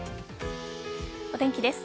お天気です。